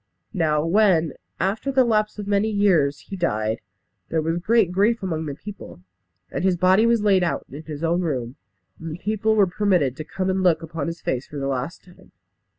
Now when, after the lapse of many years, he died, there was great grief among the people, and his body was laid out in his own room, and the people were permitted to come and look upon his face for the last time.